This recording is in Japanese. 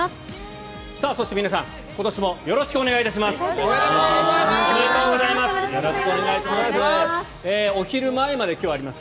そして皆さん今年もよろしくお願いします。